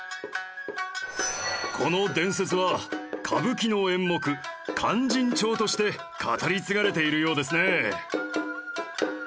この伝説は歌舞伎の演目『勧進帳』として語り継がれているようですね。